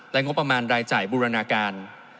งบประมาณรายจ่ายบูรณาการ